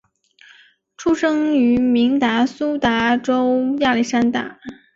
出生于明尼苏达州亚历山大。